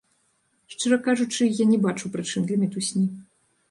Шчыра кажучы, я не бачу прычын для мітусні.